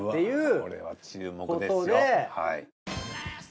これは注目ですよ。